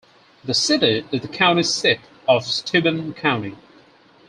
The city is the county seat of Steuben County.